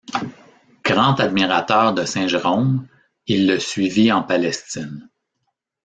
Grand admirateur de saint Jérôme, il le suivit en Palestine.